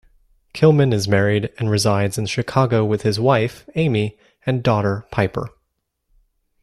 Kilman is married and resides in Chicago with his wife, Aimee, and daughter, Piper.